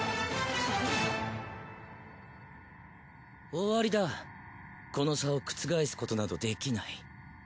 終わりだこの差を覆すことなどできない。